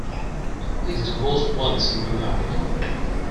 He has divorced once and remarried.